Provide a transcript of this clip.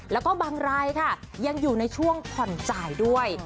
แล้วก็บางรายค่ะยังอยู่ในช่วงผ่อนจ่ายด้วย